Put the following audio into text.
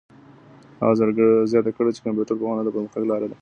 هغه زیاته کړه چي کمپيوټر پوهنه د پرمختګ لاره ده.